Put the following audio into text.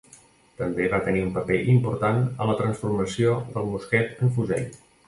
També va tenir un paper important en la transformació del mosquet en fusell.